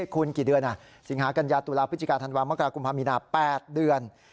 คุณกี่เดือนสิงหากัญญาตุลาพฤศจิกาธันวามกรากุมภามีนา๘เดือน